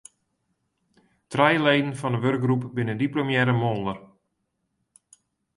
Trije leden fan de wurkgroep binne diplomearre moolder.